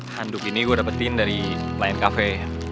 handuk ini gue dapetin dari lion cafe